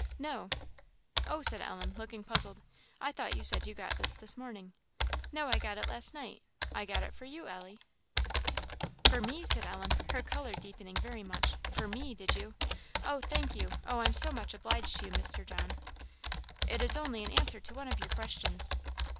"No." "O!" said Ellen, looking puzzled, "I thought you said you got this this morning." "No, I got it last night. I got it for you, Ellie." "For me!" said Ellen, her colour deepening very much; "for me! did you? Oh, thank you! oh, I'm so much obliged to you, Mr. John!" "It is only an answer to one of your questions."